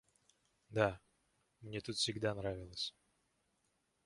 Да, мне тут всегда нравилось.